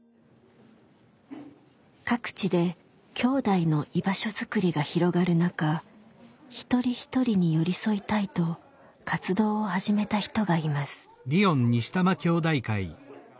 各地できょうだいの居場所づくりが広がる中一人一人に寄り添いたいと活動を始めた人がいます。